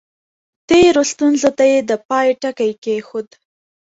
تېرو ستونزو ته یې د پای ټکی کېښود.